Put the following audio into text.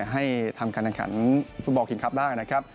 ให้ทำการแข่งขันฟุตบอลคิงคลับได้นะครับ